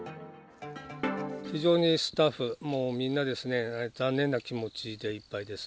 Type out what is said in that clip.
非常にスタッフみんな、残念な気持ちでいっぱいです。